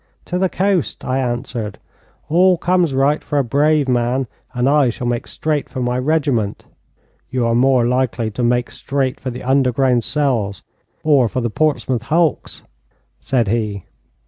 'To the coast,' I answered. 'All comes right for a brave man, and I shall make straight for my regiment.' 'You are more likely to make straight for the underground cells, or for the Portsmouth hulks,' said he.